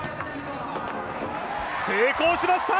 成功しました。